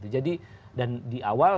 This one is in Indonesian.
jadi dan di awal